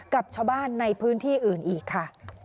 กับชาวบ้านในพื้นที่อื่นอีกค่ะ